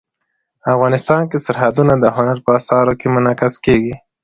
افغانستان کې سرحدونه د هنر په اثار کې منعکس کېږي.